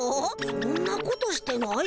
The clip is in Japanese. そんなことしてないけど。